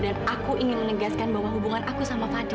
dan aku ingin menegaskan bahwa hubungan aku sama fadil